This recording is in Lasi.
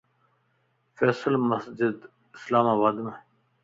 فيصل مسيڌ اسلام آبادمَ